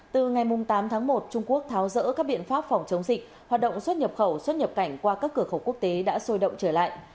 từ ngày tám tháng một trung quốc tháo rỡ các biện pháp phòng chống dịch hoạt động xuất nhập khẩu xuất nhập cảnh qua các cửa khẩu quốc tế đã sôi động trở lại